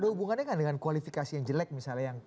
ada hubungannya kan dengan kualifikasi yang jelek misalnya